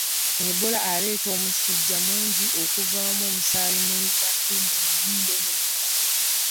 Ebola aleetera omusujja omungi, okuvaamu omusaayi mu matu, mu nnyindo ne mu kamwa.